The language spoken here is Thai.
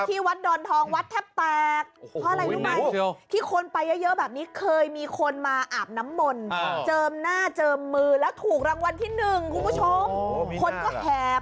ที่วัดดอนทองวัดแตกทุกคนไปเยอะแบบนี้เคยมีคนมาอาบน้ำมนต์เจิ่มหน้าเจิ่มมือ